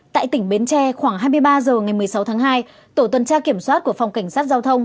tại tỉnh bến tre khoảng hai mươi ba h ngày một mươi sáu tháng hai tổ tuần tra kiểm soát của phòng cảnh sát giao thông